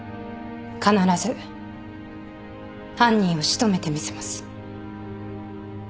必ず犯人を仕留めてみせます。